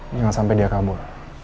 jangan sampe dia kabur